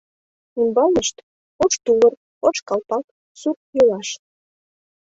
Ӱмбалнышт — ош тувыр, ош калпак, сур йолаш.